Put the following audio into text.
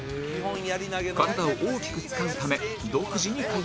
体を大きく使うため独自に開発